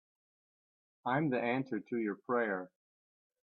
I'm the answer to your prayer.